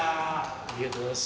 ありがとうございます。